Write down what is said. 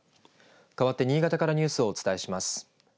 かわって新潟からニュースをお伝えします。